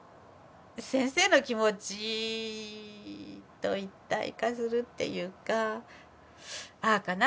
先生の気持ちと一体化するっていうか「ああかな？